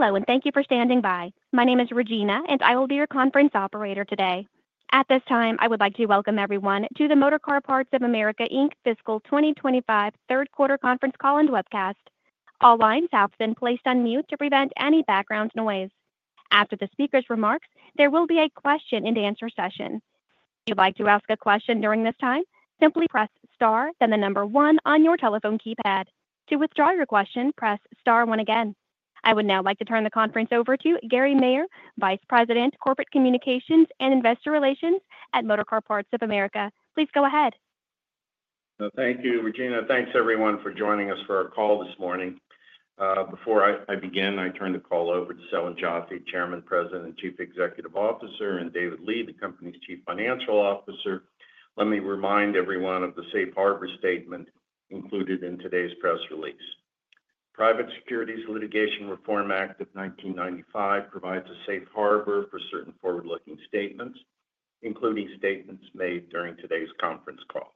Hello, and thank you for standing by. My name is Regina, and I will be your conference operator today. At this time, I would like to welcome everyone to the Motorcar Parts of America Inc, Fiscal 2025 Third Quarter Conference Call And Webcast. All lines have been placed on mute to prevent any background noise. After the speaker's remarks, there will be a question-and-answer session. If you'd like to ask a question during this time, simply press star, then the number one on your telephone keypad. To withdraw your question, press star one again. I would now like to turn the conference over to Gary Maier, Vice President, Corporate Communications and Investor Relations at Motorcar Parts of America. Please go ahead. Thank you, Regina. Thanks, everyone, for joining us for our call this morning. Before I begin, I turn the call over to Selwyn Joffe, Chairman, President, and Chief Executive Officer, and David Lee, the company's Chief Financial Officer. Let me remind everyone of the safe harbor statement included in today's press release. Private Securities Litigation Reform Act of 1995 provides a safe harbor for certain forward-looking statements, including statements made during today's conference call.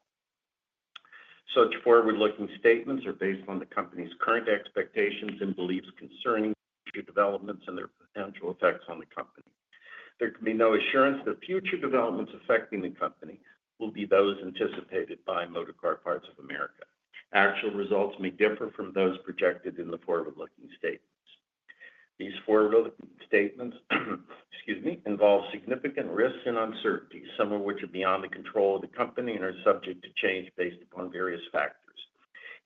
Such forward-looking statements are based on the company's current expectations and beliefs concerning future developments and their potential effects on the company. There can be no assurance that future developments affecting the company will be those anticipated by Motorcar Parts of America. Actual results may differ from those projected in the forward-looking statements. These forward-looking statements involve significant risks and uncertainties, some of which are beyond the control of the company and are subject to change based upon various factors.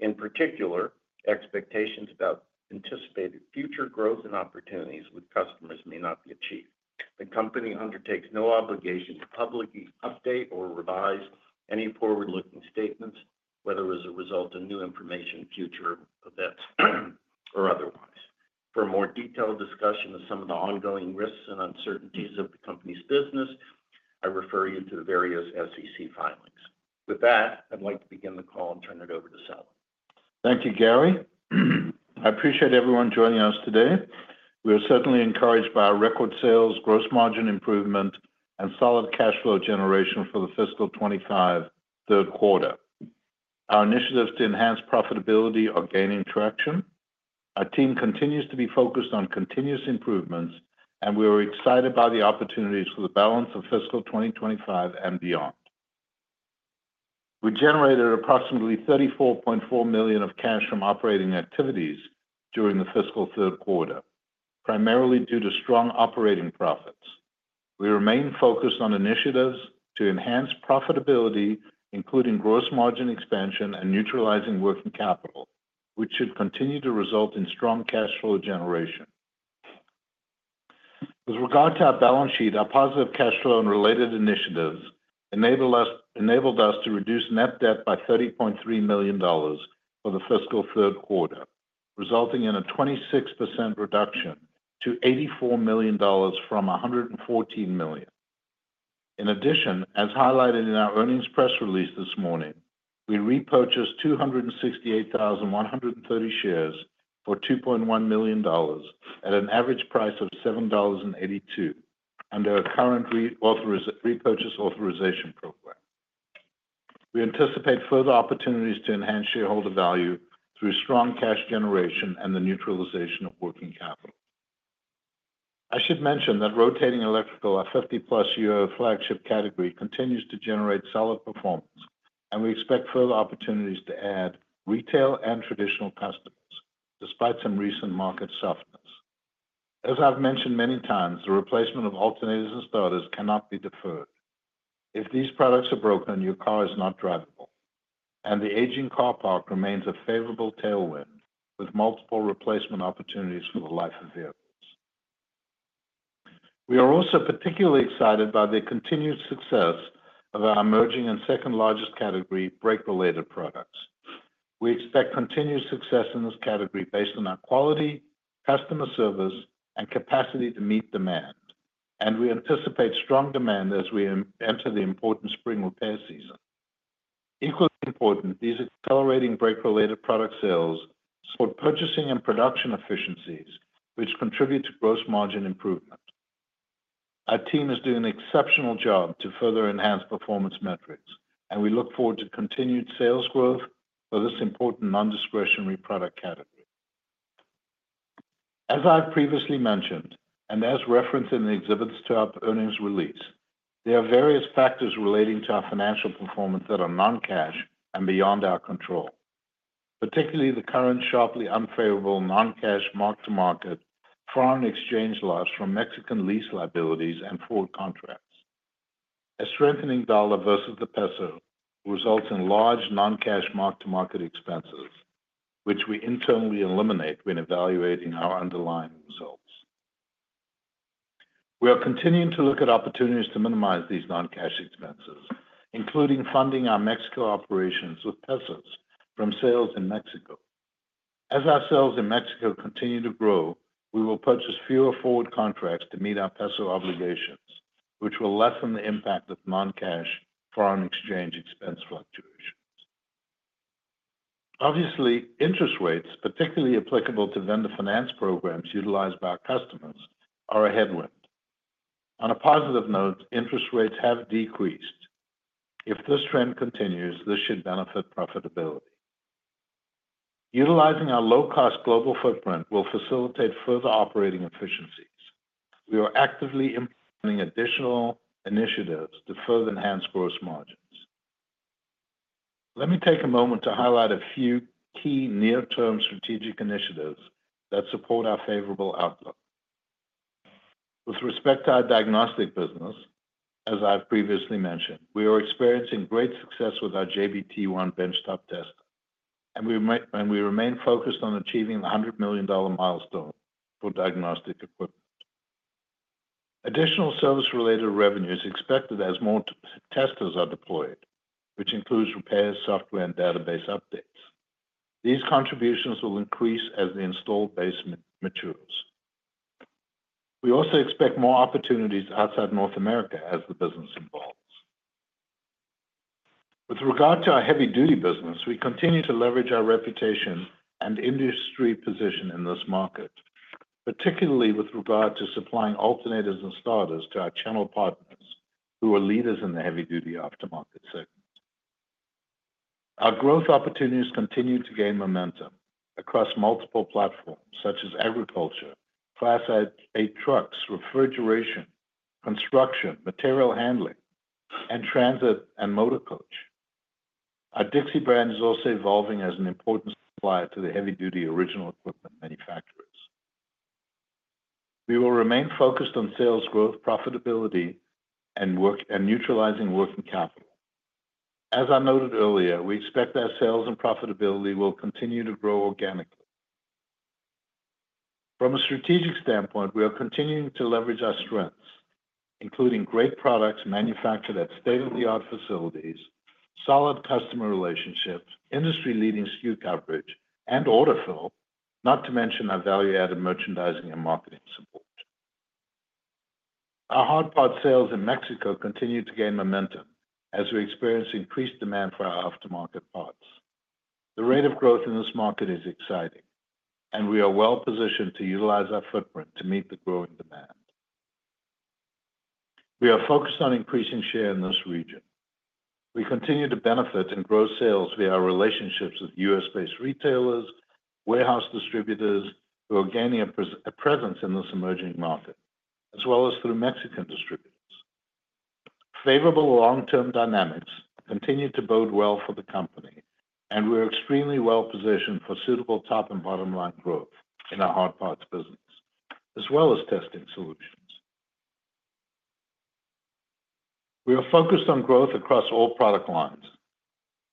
In particular, expectations about anticipated future growth and opportunities with customers may not be achieved. The company undertakes no obligation to publicly update or revise any forward-looking statements, whether as a result of new information, future events, or otherwise. For a more detailed discussion of some of the ongoing risks and uncertainties of the company's business, I refer you to the various SEC filings. With that, I'd like to begin the call and turn it over to Selwyn. Thank you, Gary. I appreciate everyone joining us today. We are certainly encouraged by our record sales, gross margin improvement, and solid cash flow generation for the fiscal 2025 third quarter. Our initiatives to enhance profitability are gaining traction. Our team continues to be focused on continuous improvements, and we are excited by the opportunities for the balance of fiscal 2025 and beyond. We generated approximately $34.4 million of cash from operating activities during the fiscal third quarter, primarily due to strong operating profits. We remain focused on initiatives to enhance profitability, including gross margin expansion and neutralizing working capital, which should continue to result in strong cash flow generation. With regard to our balance sheet, our positive cash flow and related initiatives enabled us to reduce net debt by $30.3 million for the fiscal third quarter, resulting in a 26% reduction to $84 million from $114 million. In addition, as highlighted in our earnings press release this morning, we repurchased 268,130 shares for $2.1 million at an average price of $7.82 under a current repurchase authorization program. We anticipate further opportunities to enhance shareholder value through strong cash generation and the neutralization of working capital. I should mention that rotating electrical, our 50-plus-year flagship category, continues to generate solid performance, and we expect further opportunities to add retail and traditional customers, despite some recent market softness. As I've mentioned many times, the replacement of alternators and starters cannot be deferred. If these products are broken, your car is not drivable, and the aging car park remains a favorable tailwind with multiple replacement opportunities for the life of vehicles. We are also particularly excited by the continued success of our emerging and second-largest category, brake-related products. We expect continued success in this category based on our quality, customer service, and capacity to meet demand, and we anticipate strong demand as we enter the important spring repair season. Equally important, these accelerating brake-related product sales support purchasing and production efficiencies, which contribute to gross margin improvement. Our team is doing an exceptional job to further enhance performance metrics, and we look forward to continued sales growth for this important non-discretionary product category. As I've previously mentioned, and as referenced in the exhibits to our earnings release, there are various factors relating to our financial performance that are non-cash and beyond our control, particularly the current sharply unfavorable non-cash mark-to-market foreign exchange loss from Mexican lease liabilities and forward contracts. A strengthening dollar versus the peso results in large non-cash mark-to-market expenses, which we internally eliminate when evaluating our underlying results. We are continuing to look at opportunities to minimize these non-cash expenses, including funding our Mexico operations with pesos from sales in Mexico. As our sales in Mexico continue to grow, we will purchase fewer forward contracts to meet our peso obligations, which will lessen the impact of non-cash foreign exchange expense fluctuations. Obviously, interest rates, particularly applicable to vendor finance programs utilized by our customers, are a headwind. On a positive note, interest rates have decreased. If this trend continues, this should benefit profitability. Utilizing our low-cost global footprint will facilitate further operating efficiencies. We are actively implementing additional initiatives to further enhance gross margins. Let me take a moment to highlight a few key near-term strategic initiatives that support our favorable outlook. With respect to our diagnostic business, as I've previously mentioned, we are experiencing great success with our JBT1 benchtop tester, and we remain focused on achieving the $100 million milestone for diagnostic equipment. Additional service-related revenue is expected as more testers are deployed, which includes repairs, software, and database updates. These contributions will increase as the install base matures. We also expect more opportunities outside North America as the business evolves. With regard to our heavy-duty business, we continue to leverage our reputation and industry position in this market, particularly with regard to supplying alternators and starters to our channel partners who are leaders in the heavy-duty aftermarket segment. Our growth opportunities continue to gain momentum across multiple platforms such as agriculture, class A trucks, refrigeration, construction, material handling, and transit and motor coach. Our Dixie brand is also evolving as an important supplier to the heavy-duty original equipment manufacturers. We will remain focused on sales growth, profitability, and neutralizing working capital. As I noted earlier, we expect our sales and profitability will continue to grow organically. From a strategic standpoint, we are continuing to leverage our strengths, including great products manufactured at state-of-the-art facilities, solid customer relationships, industry-leading SKU coverage, and order fill, not to mention our value-added merchandising and marketing support. Our hard-part sales in Mexico continue to gain momentum as we experience increased demand for our aftermarket parts. The rate of growth in this market is exciting, and we are well-positioned to utilize our footprint to meet the growing demand. We are focused on increasing share in this region. We continue to benefit and grow sales via our relationships with U.S.-based retailers, warehouse distributors who are gaining a presence in this emerging market, as well as through Mexican distributors. Favorable long-term dynamics continue to bode well for the company, and we are extremely well-positioned for suitable top and bottom-line growth in our hard-parts business, as well as testing solutions. We are focused on growth across all product lines,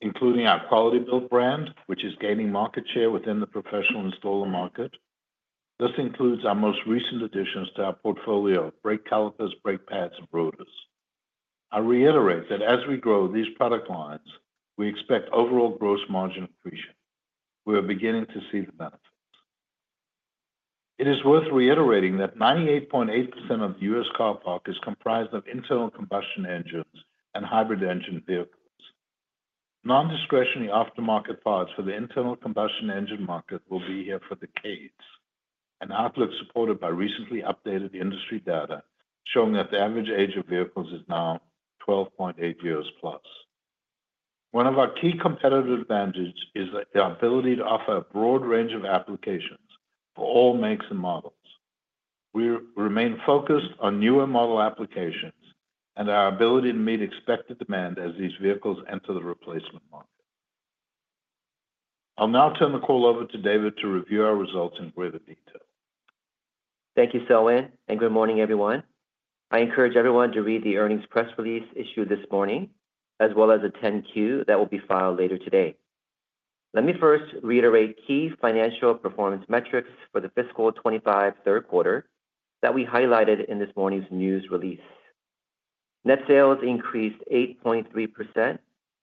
including our Quality-Built brand, which is gaining market share within the professional installer market. This includes our most recent additions to our portfolio of brake calipers, brake pads, and brake rotors. I reiterate that as we grow these product lines, we expect overall gross margin increase. We are beginning to see the benefits. It is worth reiterating that 98.8% of the U.S. car park is comprised of internal combustion engines and hybrid engine vehicles. Non-discretionary aftermarket parts for the internal combustion engine market will be here for decades, an outlook supported by recently updated industry data showing that the average age of vehicles is now 12.8 years plus. One of our key competitive advantages is our ability to offer a broad range of applications for all makes and models. We remain focused on newer model applications and our ability to meet expected demand as these vehicles enter the replacement market. I'll now turn the call over to David to review our results in greater detail. Thank you, Selwyn, and good morning, everyone. I encourage everyone to read the earnings press release issued this morning, as well as attend Q that will be filed later today. Let me first reiterate key financial performance metrics for the fiscal 2025 third quarter that we highlighted in this morning's news release. Net sales increased 8.3%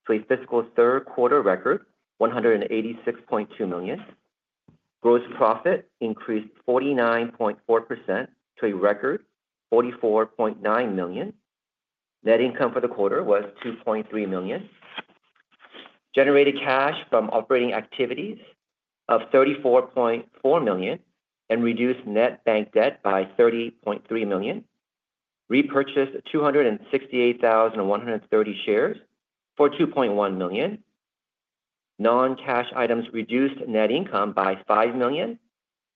to a fiscal third quarter record, $186.2 million. Gross profit increased 49.4% to a record, $44.9 million. Net income for the quarter was $2.3 million. Generated cash from operating activities of $34.4 million and reduced net bank debt by $30.3 million. Repurchased 268,130 shares for $2.1 million. Non-cash items reduced net income by $5 million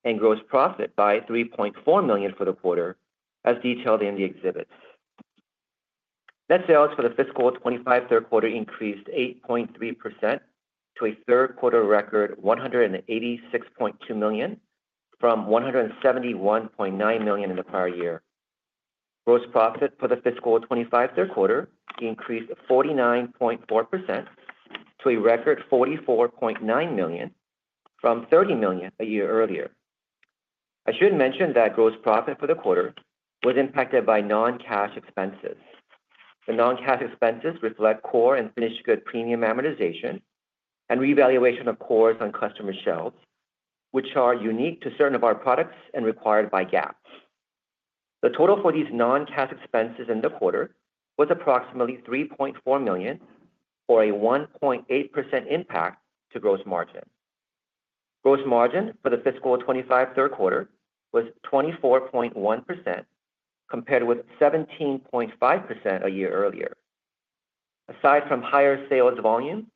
and gross profit by $3.4 million for the quarter, as detailed in the exhibits. Net sales for the fiscal 2025 third quarter increased 8.3% to a third quarter record, $186.2 million from $171.9 million in the prior year. Gross profit for the fiscal 2025 third quarter increased 49.4% to a record $44.9 million from $30 million a year earlier. I should mention that gross profit for the quarter was impacted by non-cash expenses. The non-cash expenses reflect core and finished goods premium amortization and revaluation of cores on customer shelves, which are unique to certain of our products and required by GAAP. The total for these non-cash expenses in the quarter was approximately $3.4 million, or a 1.8% impact to gross margin. Gross margin for the fiscal 2025 third quarter was 24.1%, compared with 17.5% a year earlier. Aside from higher sales volume,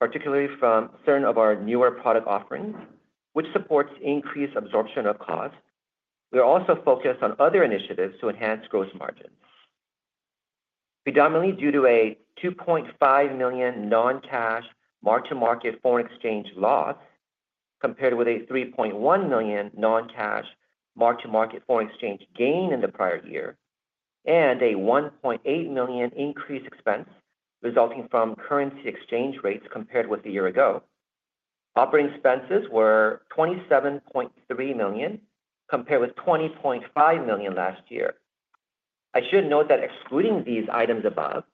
particularly from certain of our newer product offerings, which supports increased absorption of cost, we are also focused on other initiatives to enhance gross margins, predominantly due to a $2.5 million non-cash mark-to-market foreign exchange loss, compared with a $3.1 million non-cash mark-to-market foreign exchange gain in the prior year, and a $1.8 million increased expense resulting from currency exchange rates compared with a year ago. Operating expenses were $27.3 million, compared with $20.5 million last year. I should note that excluding these items above,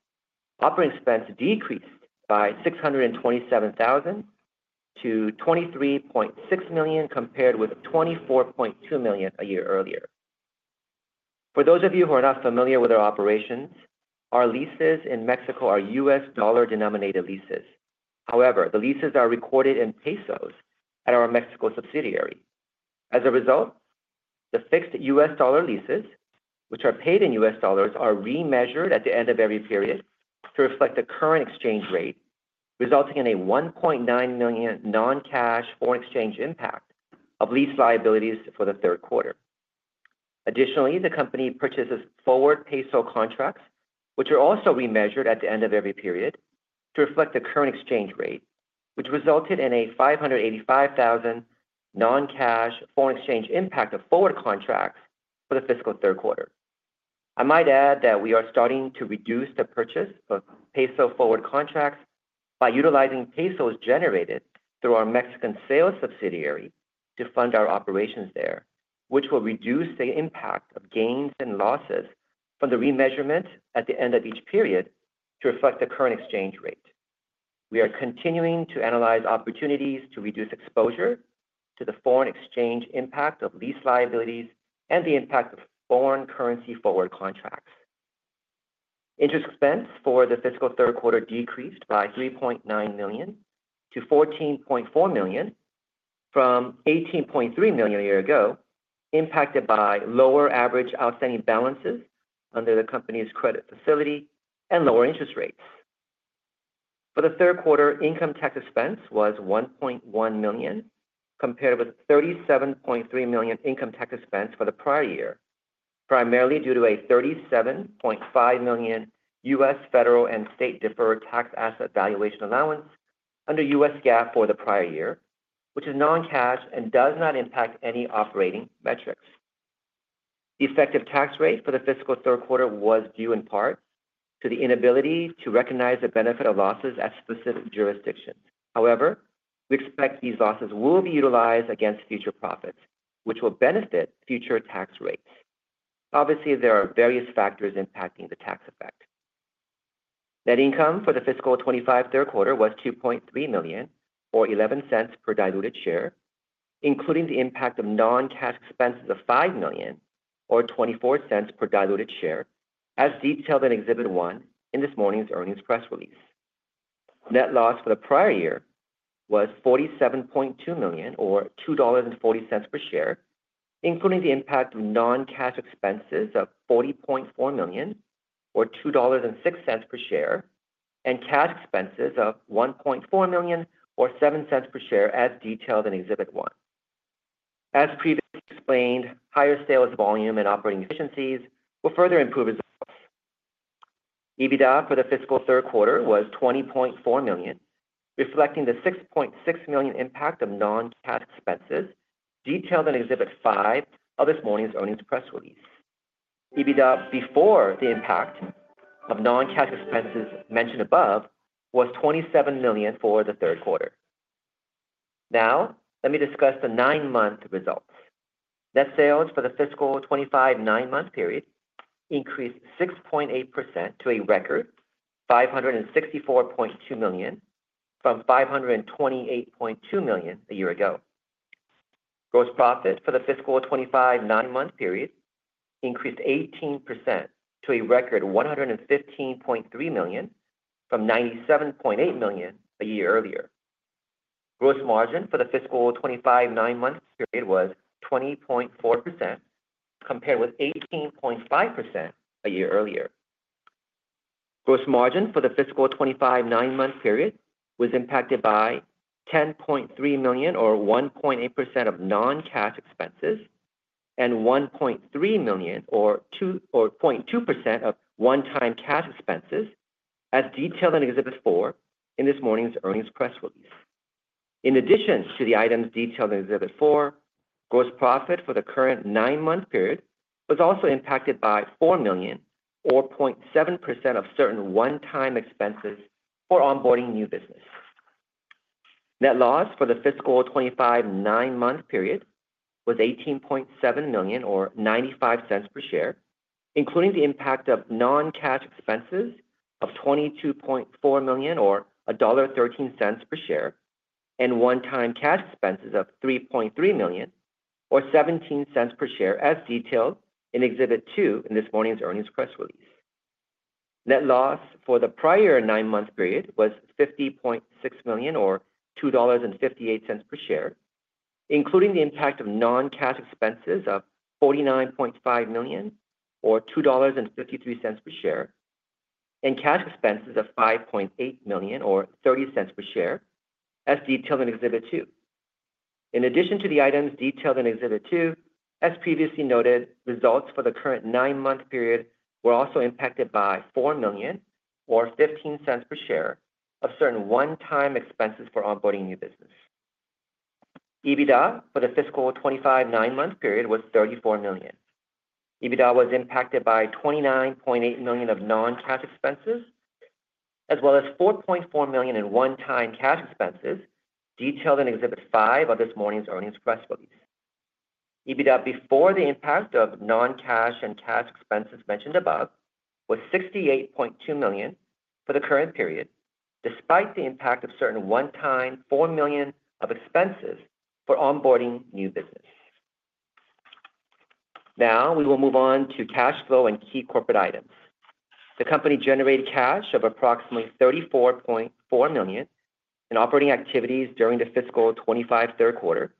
operating expense decreased by $627,000 to $23.6 million, compared with $24.2 million a year earlier. For those of you who are not familiar with our operations, our leases in Mexico are U.S. dollar-denominated leases. However, the leases are recorded in pesos at our Mexico subsidiary. As a result, the fixed U.S. dollar leases, which are paid in U.S. Dollars are remeasured at the end of every period to reflect the current exchange rate, resulting in a $1.9 million non-cash foreign exchange impact of lease liabilities for the third quarter. Additionally, the company purchases forward peso contracts, which are also remeasured at the end of every period to reflect the current exchange rate, which resulted in a $585,000 non-cash foreign exchange impact of forward contracts for the fiscal third quarter. I might add that we are starting to reduce the purchase of peso forward contracts by utilizing pesos generated through our Mexican sales subsidiary to fund our operations there, which will reduce the impact of gains and losses from the remeasurement at the end of each period to reflect the current exchange rate. We are continuing to analyze opportunities to reduce exposure to the foreign exchange impact of lease liabilities and the impact of foreign currency forward contracts. Interest expense for the fiscal third quarter decreased by $3.9 million to $14.4 million from $18.3 million a year ago, impacted by lower average outstanding balances under the company's credit facility and lower interest rates. For the third quarter, income tax expense was $1.1 million, compared with $37.3 million income tax expense for the prior year, primarily due to a $37.5 million U.S. federal and state deferred tax asset valuation allowance under U.S. GAAP for the prior year, which is non-cash and does not impact any operating metrics. The effective tax rate for the fiscal third quarter was due in part to the inability to recognize the benefit of losses at specific jurisdictions. However, we expect these losses will be utilized against future profits, which will benefit future tax rates. Obviously, there are various factors impacting the tax effect. Net income for the fiscal 2025 third quarter was $2.3 million, or $0.11 per diluted share, including the impact of non-cash expenses of $5 million, or $0.24 per diluted share, as detailed in Exhibit 1 in this morning's earnings press release. Net loss for the prior year was $47.2 million, or $2.40 per share, including the impact of non-cash expenses of $40.4 million, or $2.06 per share, and cash expenses of $1.4 million, or $0.07 per share, as detailed in Exhibit 1. As previously explained, higher sales volume and operating efficiencies will further improve results. EBITDA for the fiscal third quarter was $20.4 million, reflecting the $6.6 million impact of non-cash expenses detailed in Exhibit 5 of this morning's earnings press release. EBITDA before the impact of non-cash expenses mentioned above was $27 million for the third quarter. Now, let me discuss the nine-month results. Net sales for the fiscal 2025 nine-month period increased 6.8% to a record $564.2 million, from $528.2 million a year ago. Gross profit for the fiscal 2025 nine-month period increased 18% to a record $115.3 million, from $97.8 million a year earlier. Gross margin for the fiscal 2025 nine-month period was 20.4%, compared with 18.5% a year earlier. Gross margin for the fiscal 2025 nine-month period was impacted by $10.3 million, or 1.8% of non-cash expenses, and $1.3 million, or 0.2% of one-time cash expenses, as detailed in Exhibit 4 in this morning's earnings press release. In addition to the items detailed in Exhibit 4, gross profit for the current nine-month period was also impacted by $4 million, or 0.7% of certain one-time expenses for onboarding new business. Net loss for the fiscal 2025 nine-month period was $18.7 million, or $0.95 per share, including the impact of non-cash expenses of $22.4 million, or $1.13 per share, and one-time cash expenses of $3.3 million, or $0.17 per share, as detailed in Exhibit 2 in this morning's earnings press release. Net loss for the prior nine-month period was $50.6 million, or $2.58 per share, including the impact of non-cash expenses of $49.5 million, or $2.53 per share, and cash expenses of $5.8 million, or $0.30 per share, as detailed in Exhibit 2. In addition to the items detailed in Exhibit 2, as previously noted, results for the current nine-month period were also impacted by $4 million, or $0.15 per share, of certain one-time expenses for onboarding new business. EBITDA for the fiscal 2025 nine-month period was $34 million. EBITDA was impacted by $29.8 million of non-cash expenses, as well as $4.4 million in one-time cash expenses, detailed in Exhibit 5 of this morning's earnings press release. EBITDA before the impact of non-cash and cash expenses mentioned above was $68.2 million for the current period, despite the impact of certain one-time $4 million of expenses for onboarding new business. Now, we will move on to cash flow and key corporate items. The company generated cash of approximately $34.4 million in operating activities during the fiscal 2025 third quarter.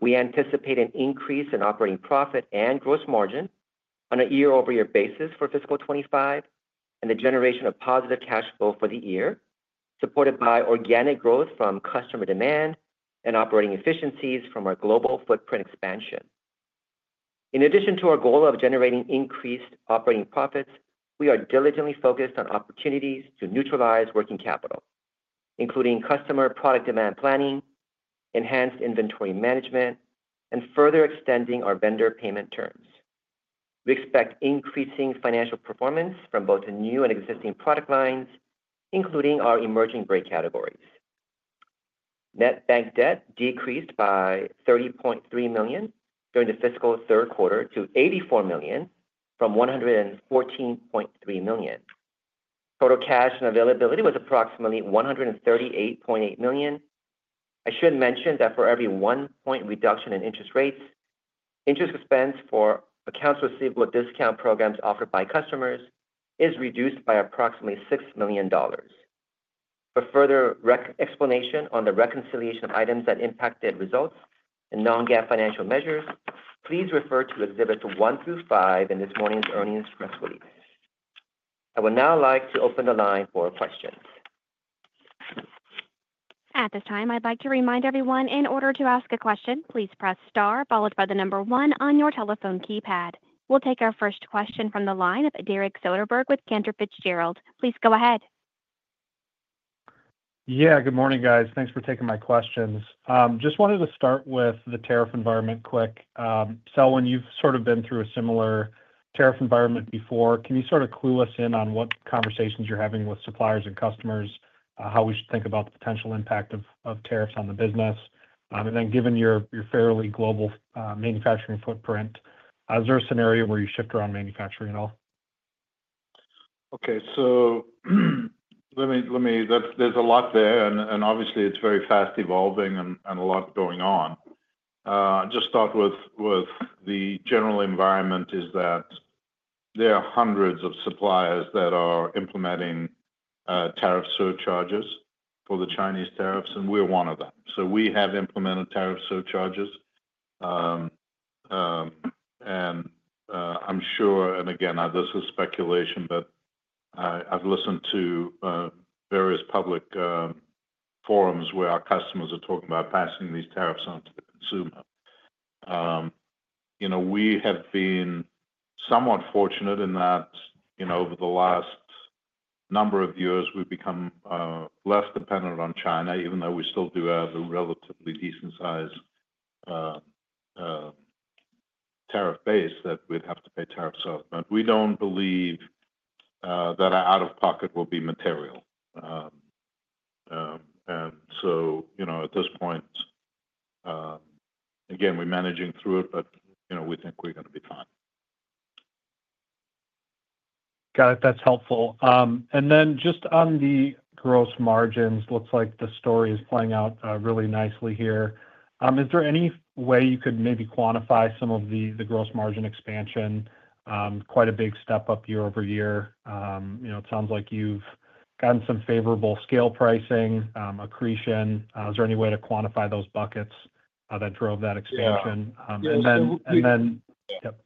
We anticipate an increase in operating profit and gross margin on a year-over-year basis for fiscal 2025 and the generation of positive cash flow for the year, supported by organic growth from customer demand and operating efficiencies from our global footprint expansion. In addition to our goal of generating increased operating profits, we are diligently focused on opportunities to neutralize working capital, including customer product demand planning, enhanced inventory management, and further extending our vendor payment terms. We expect increasing financial performance from both new and existing product lines, including our emerging grey categories. Net bank debt decreased by $30.3 million during the fiscal third quarter to $84 million, from $114.3 million. Total cash and availability was approximately $138.8 million. I should mention that for every one-point reduction in interest rates, interest expense for accounts receivable discount programs offered by customers is reduced by approximately $6 million. For further explanation on the reconciliation of items that impacted results and non-GAAP financial measures, please refer to Exhibits 1 through 5 in this morning's earnings press release. I would now like to open the line for questions. At this time, I'd like to remind everyone, in order to ask a question, please press star followed by the number one on your telephone keypad. We'll take our first question from the line of Derek Soderbergh with Cantor Fitzgerald. Please go ahead. Yeah, good morning, guys. Thanks for taking my questions. Just wanted to start with the tariff environment quick. Selwyn, you've sort of been through a similar tariff environment before. Can you sort of clue us in on what conversations you're having with suppliers and customers, how we should think about the potential impact of tariffs on the business? Given your fairly global manufacturing footprint, is there a scenario where you shift around manufacturing at all? Okay. There is a lot there, and obviously, it is very fast evolving and a lot going on. I'll just start with the general environment is that there are hundreds of suppliers that are implementing tariff surcharges for the Chinese tariffs, and we are one of them. We have implemented tariff surcharges. I'm sure, and again, this is speculation, but I have listened to various public forums where our customers are talking about passing these tariffs on to the consumer. We have been somewhat fortunate in that over the last number of years, we have become less dependent on China, even though we still do have a relatively decent-sized tariff base that we have to pay tariffs off. We do not believe that our out-of-pocket will be material. At this point, again, we are managing through it, but we think we are going to be fine. Got it. That's helpful. Just on the gross margins, looks like the story is playing out really nicely here. Is there any way you could maybe quantify some of the gross margin expansion? Quite a big step up year over year. It sounds like you've gotten some favorable scale pricing, accretion. Is there any way to quantify those buckets that drove that expansion? Yeah. Absolutely. Yep.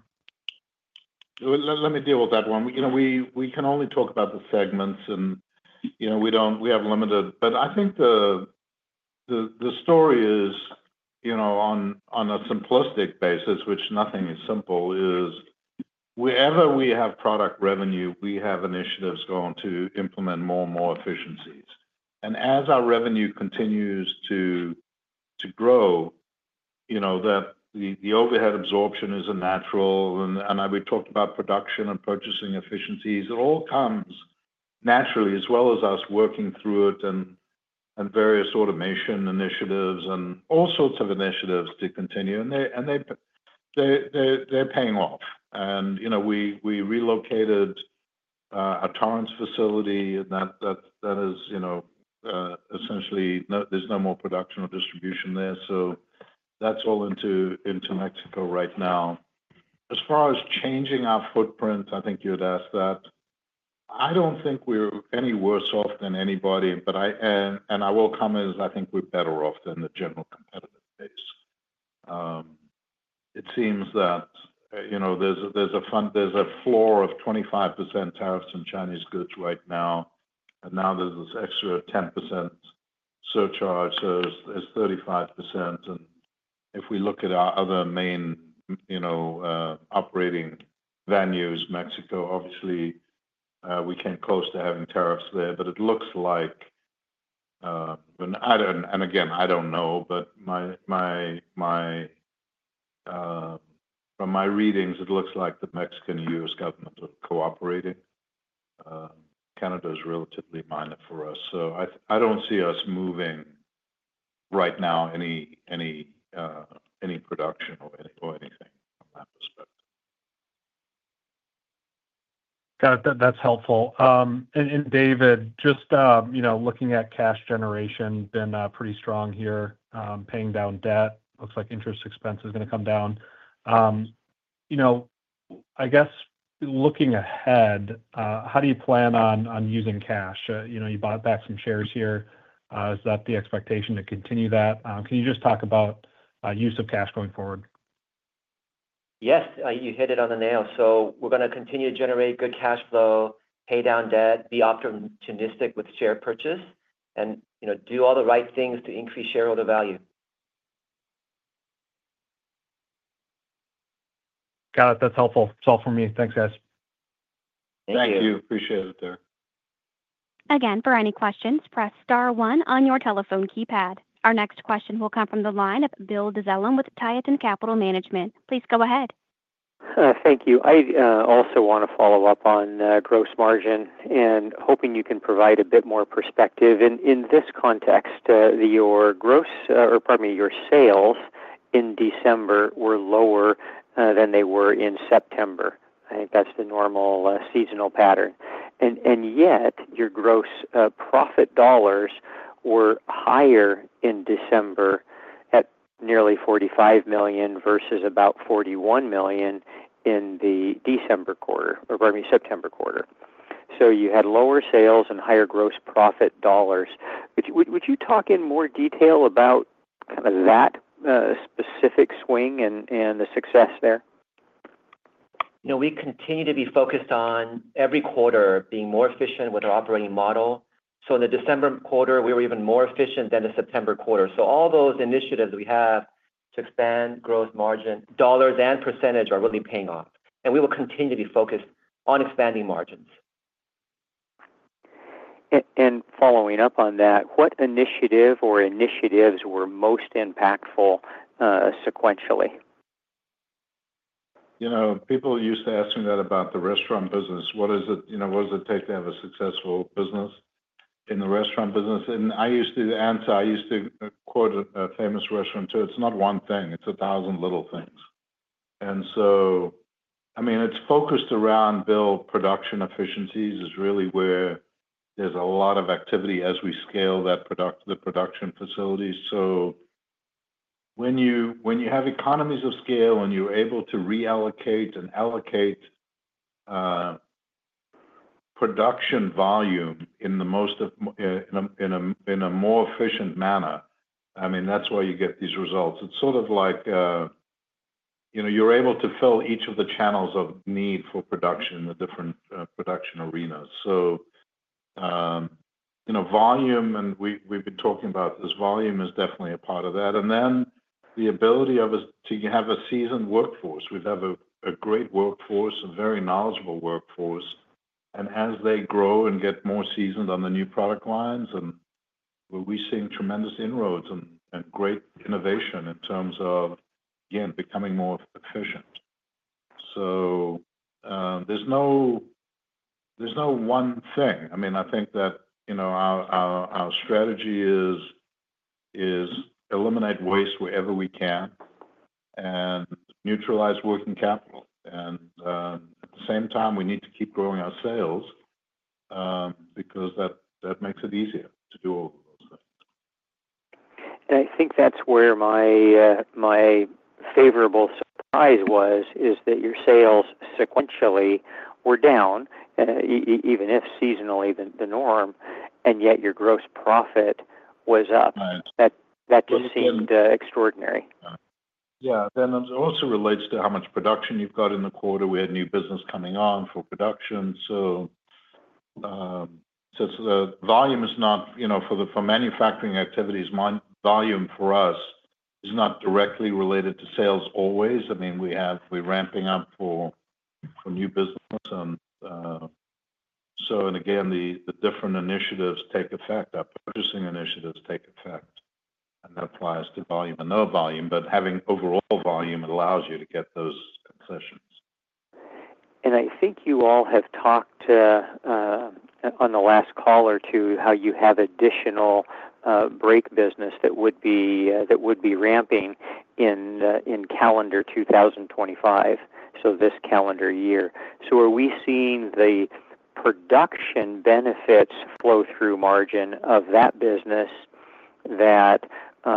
Let me deal with that one. We can only talk about the segments, and we have limited. I think the story is, on a simplistic basis, which nothing is simple, is wherever we have product revenue, we have initiatives going to implement more and more efficiencies. As our revenue continues to grow, the overhead absorption is a natural. We talked about production and purchasing efficiencies. It all comes naturally, as well as us working through it and various automation initiatives and all sorts of initiatives to continue. They're paying off. We relocated our Torrance facility, and that is essentially there's no more production or distribution there. That's all into Mexico right now. As far as changing our footprint, I think you'd ask that. I don't think we're any worse off than anybody. I will comment as I think we're better off than the general competitive base. It seems that there's a floor of 25% tariffs on Chinese goods right now. Now there's this extra 10% surcharge. So there's 35%. If we look at our other main operating venues, Mexico, obviously, we came close to having tariffs there. It looks like—and again, I don't know, but from my readings, it looks like the Mexican-US government are cooperating. Canada is relatively minor for us. I don't see us moving right now any production or anything from that perspective. Got it. That's helpful. David, just looking at cash generation, been pretty strong here, paying down debt. Looks like interest expense is going to come down. I guess looking ahead, how do you plan on using cash? You bought back some shares here. Is that the expectation to continue that? Can you just talk about use of cash going forward? Yes. You hit it on the nail. We are going to continue to generate good cash flow, pay down debt, be opportunistic with share purchase, and do all the right things to increase shareholder value. Got it. That's helpful. It's all for me. Thanks, guys. Thank you. Appreciate it, Derek. Again, for any questions, press star one on your telephone keypad. Our next question will come from the line of Bill DeZellem with Tieton Capital Management. Please go ahead. Thank you. I also want to follow up on gross margin and hoping you can provide a bit more perspective. In this context, your gross—or pardon me—your sales in December were lower than they were in September. I think that's the normal seasonal pattern. Yet, your gross profit dollars were higher in December at nearly $45 million versus about $41 million in the September quarter. So you had lower sales and higher gross profit dollars. Would you talk in more detail about kind of that specific swing and the success there? We continue to be focused on every quarter being more efficient with our operating model. In the December quarter, we were even more efficient than the September quarter. All those initiatives we have to expand gross margin dollars and percentage are really paying off. We will continue to be focused on expanding margins. Following up on that, what initiative or initiatives were most impactful sequentially? People used to ask me that about the restaurant business. What does it take to have a successful business in the restaurant business? I used to answer—I used to quote a famous restaurant too—it's not one thing. It's a thousand little things. I mean, it's focused around, Bill, production efficiencies is really where there's a lot of activity as we scale the production facilities. When you have economies of scale and you're able to reallocate and allocate production volume in the most—in a more efficient manner, I mean, that's why you get these results. It's sort of like you're able to fill each of the channels of need for production in the different production arenas. Volume—and we've been talking about this—volume is definitely a part of that. The ability to have a seasoned workforce. We have a great workforce, a very knowledgeable workforce. As they grow and get more seasoned on the new product lines, we're seeing tremendous inroads and great innovation in terms of, again, becoming more efficient. There is no one thing. I mean, I think that our strategy is to eliminate waste wherever we can and neutralize working capital. At the same time, we need to keep growing our sales because that makes it easier to do all of those things. I think that's where my favorable surprise was, is that your sales sequentially were down, even if seasonally the norm, and yet your gross profit was up. That just seemed extraordinary. Yeah. It also relates to how much production you have in the quarter. We had new business coming on for production. Volume is not—for manufacturing activities, volume for us is not directly related to sales always. I mean, we are ramping up for new business. The different initiatives take effect. Our purchasing initiatives take effect. That applies to volume and low volume. Having overall volume allows you to get those concessions. I think you all have talked on the last call or two how you have additional brake business that would be ramping in calendar 2025, so this calendar year. Are we seeing the production benefits flow-through margin of that business that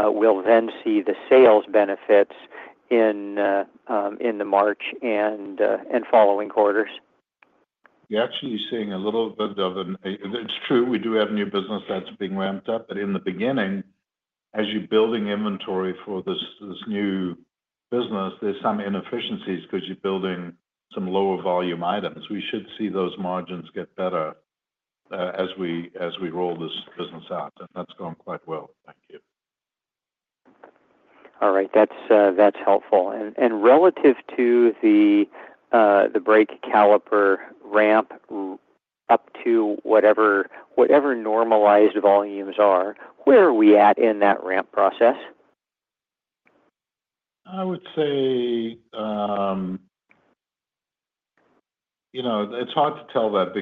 we'll then see the sales benefits in the March and following quarters? You're actually seeing a little bit of an—it's true. We do have new business that's being ramped up. In the beginning, as you're building inventory for this new business, there's some inefficiencies because you're building some lower volume items. We should see those margins get better as we roll this business out. That's gone quite well. Thank you. All right. That's helpful. And relative to the brake caliper ramp up to whatever normalized volumes are, where are we at in that ramp process? I would say it's hard to tell that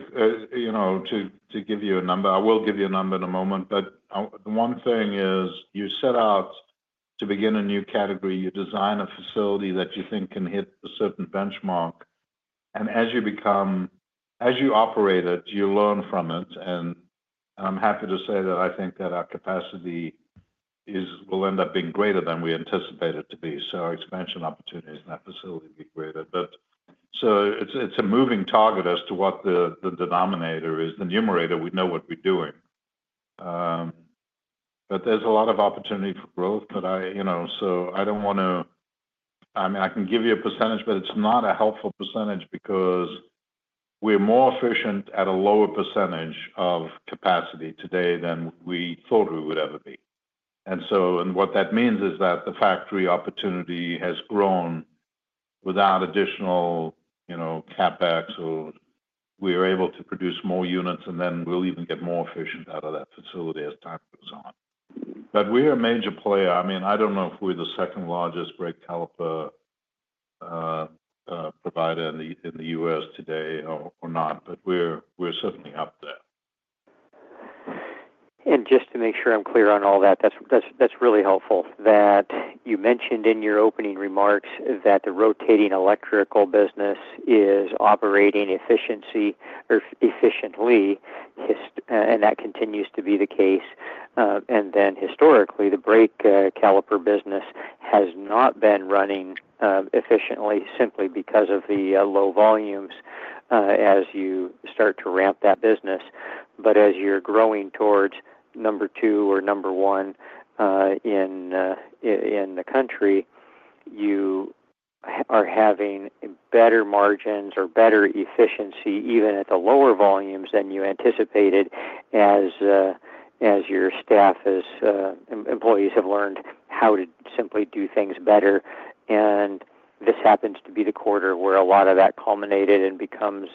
to give you a number. I will give you a number in a moment. One thing is you set out to begin a new category. You design a facility that you think can hit a certain benchmark. As you operate it, you learn from it. I'm happy to say that I think that our capacity will end up being greater than we anticipated it to be. Our expansion opportunities in that facility will be greater. It's a moving target as to what the denominator is. The numerator, we know what we're doing. There's a lot of opportunity for growth. I don't want to—I mean, I can give you a percentage, but it's not a helpful percentage because we're more efficient at a lower percentage of capacity today than we thought we would ever be. What that means is that the factory opportunity has grown without additional CapEx, or we are able to produce more units, and then we'll even get more efficient out of that facility as time goes on. We're a major player. I mean, I don't know if we're the second largest brake caliper provider in the U.S. today or not, but we're certainly up there. Just to make sure I'm clear on all that, that's really helpful. You mentioned in your opening remarks that the rotating electrical business is operating efficiently, and that continues to be the case. Historically, the brake caliper business has not been running efficiently simply because of the low volumes as you start to ramp that business. As you're growing towards number two or number one in the country, you are having better margins or better efficiency even at the lower volumes than you anticipated as your staff, as employees, have learned how to simply do things better. This happens to be the quarter where a lot of that culminated and becomes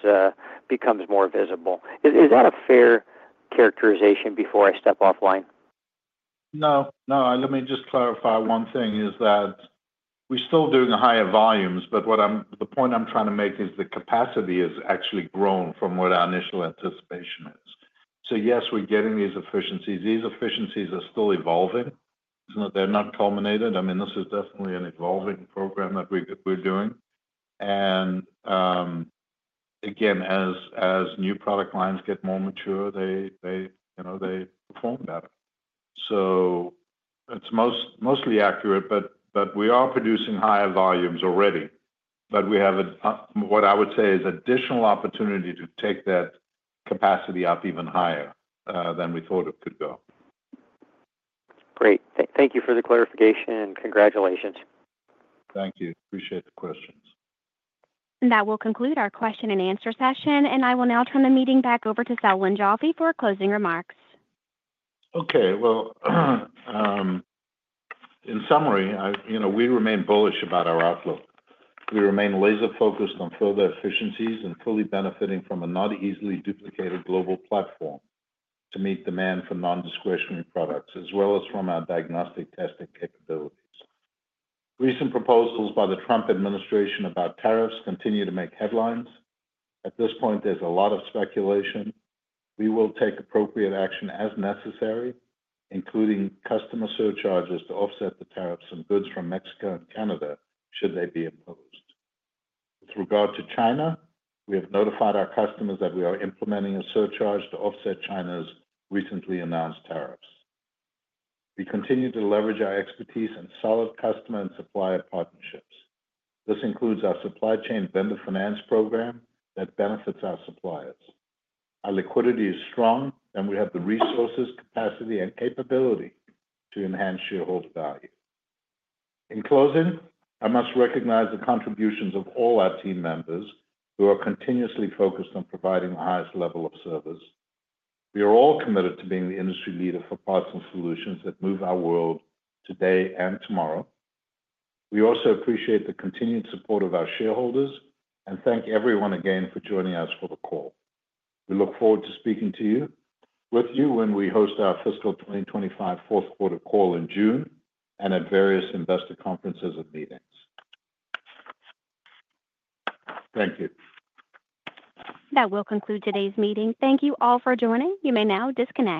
more visible. Is that a fair characterization before I step offline? No. No. Let me just clarify one thing is that we're still doing higher volumes. The point I'm trying to make is the capacity has actually grown from what our initial anticipation is. Yes, we're getting these efficiencies. These efficiencies are still evolving. They're not culminated. I mean, this is definitely an evolving program that we're doing. I mean, as new product lines get more mature, they perform better. It is mostly accurate. We are producing higher volumes already. We have what I would say is additional opportunity to take that capacity up even higher than we thought it could go. Great. Thank you for the clarification. Congratulations. Thank you. Appreciate the questions. That will conclude our question and answer session. I will now turn the meeting back over to Selwyn Joffe for closing remarks. Okay. In summary, we remain bullish about our outlook. We remain laser-focused on further efficiencies and fully benefiting from a not-easily-duplicated global platform to meet demand for non-discretionary products, as well as from our diagnostic testing capabilities. Recent proposals by the Trump administration about tariffs continue to make headlines. At this point, there's a lot of speculation. We will take appropriate action as necessary, including customer surcharges to offset the tariffs on goods from Mexico and Canada should they be imposed. With regard to China, we have notified our customers that we are implementing a surcharge to offset China's recently announced tariffs. We continue to leverage our expertise in solid customer and supplier partnerships. This includes our supply chain vendor finance program that benefits our suppliers. Our liquidity is strong, and we have the resources, capacity, and capability to enhance shareholder value. In closing, I must recognize the contributions of all our team members who are continuously focused on providing the highest level of service. We are all committed to being the industry leader for parts and solutions that move our world today and tomorrow. We also appreciate the continued support of our shareholders and thank everyone again for joining us for the call. We look forward to speaking to you when we host our fiscal 2025 fourth quarter call in June and at various investor conferences and meetings. Thank you. That will conclude today's meeting. Thank you all for joining. You may now disconnect.